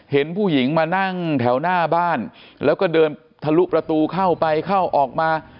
เห็นผู้หญิงมานั่งแถวหน้าบ้านแล้วก็เดินทะลุประตูเข้าไปเข้าออกมา